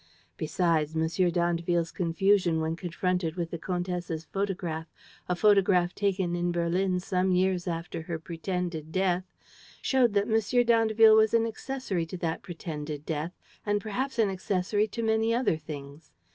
Besides, M. d'Andeville's confusion when confronted with the countess' photograph, a photograph taken in Berlin some years after her pretended death, showed that M. d'Andeville was an accessory to that pretended death and perhaps an accessory to many other things.